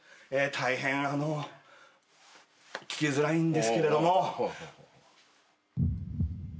大変聞きづらいんですけれども。